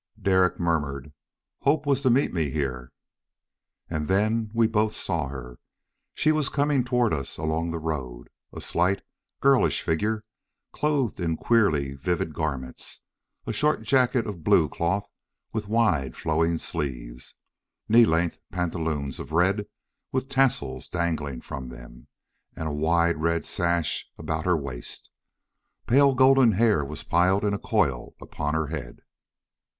Derek murmured, "Hope was to meet me here." And then we both saw her. She was coming toward us along the road. A slight, girlish figure, clothed in queerly vivid garments: a short jacket of blue cloth with wide flowing sleeves, knee length pantaloons of red, with tassels dangling from them, and a wide red sash about her waist. Pale golden hair was piled in a coil upon her head....